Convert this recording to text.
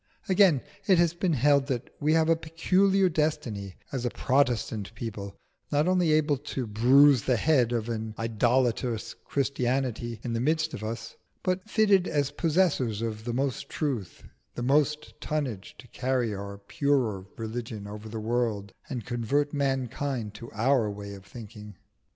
Again, it has been held that we have a peculiar destiny as a Protestant people, not only able to bruise the head of an idolatrous Christianity in the midst of us, but fitted as possessors of the most truth and the most tonnage to carry our purer religion over the world and convert mankind to our way of thinking.